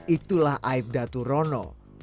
itulah aibda turono